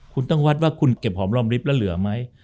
คุณต้องวัดว่าคุณเก็บหอมรอมริบแล้วเหลือไหม